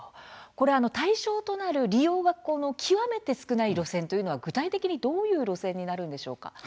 対象となる利用が極めて少ない路線というのは具体的にはどういう路線になるんでしょうか。